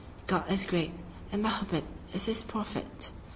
God is great and Mahomet is his prophet!